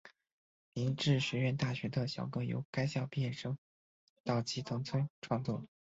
明治学院大学的校歌由该校毕业生岛崎藤村创作。